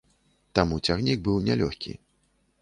Таму цягнік быў нялёгкі.